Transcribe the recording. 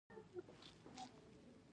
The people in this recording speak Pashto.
هلک د ژوند په هڅه باور لري.